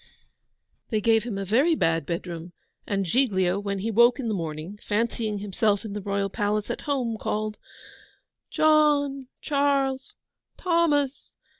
They gave him a very bad bedroom, and Giglio, when he woke in the morning, fancying himself in the Royal Palace at home, called, 'John, Charles, Thomas!